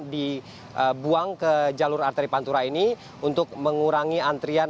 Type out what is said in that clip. dibuang ke jalur arteri pantura ini untuk mengurangi antrian